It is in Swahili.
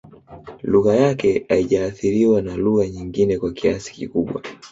Lugha yake haijaathiriwa na lugha nyingine kwa kiasi kikubwa